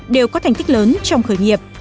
đều có thành tích lớn trong khởi nghiệp